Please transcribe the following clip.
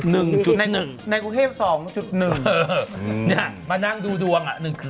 เนี่ยมานั่งดูดวง๑๑๒๑